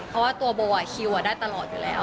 เพราะว่าตัวโบคิวได้ตลอดอยู่แล้ว